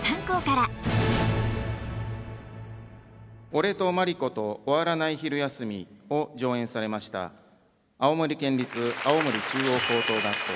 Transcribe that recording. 「俺とマリコと終わらない昼休み」を上演されました青森県立青森中央高等学校。